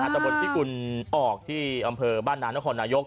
ทางบนธิกุลออกที่อำเภอบ้านดนขณะยก